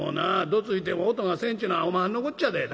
どついても音がせんっちゅうのはおまはんのこっちゃで。